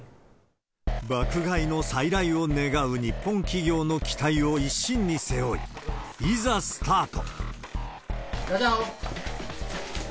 爆買いの再来を願う日本企業の期待を一身に背負い、いざスタート。